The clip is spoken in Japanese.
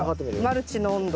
マルチの温度。